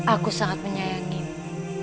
aku sangat menyayangimu